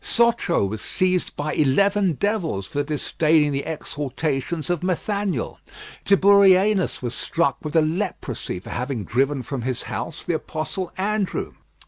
Sochoh was seized by eleven devils for disdaining the exhortations of Nathaniel. Tiburianus was struck with a leprosy for having driven from his house the Apostle Andrew.